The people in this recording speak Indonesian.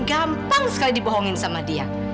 gampang sekali dibohongin sama dia